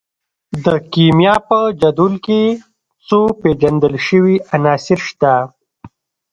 د کیمیا په جدول کې څو پیژندل شوي عناصر شته.